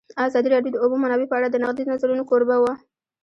ازادي راډیو د د اوبو منابع په اړه د نقدي نظرونو کوربه وه.